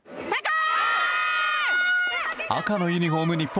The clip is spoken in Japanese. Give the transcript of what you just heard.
赤のユニホーム、日本。